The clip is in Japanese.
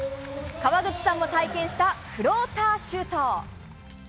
川口さんも体験したフローターシュート！